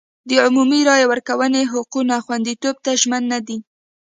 د عمومي رایې ورکونې حقونو خوندیتوب ته ژمن نه دی.